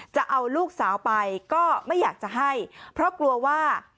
จะเอาลูกสาวไปก็ไม่อยากจะให้เพราะกลัวว่า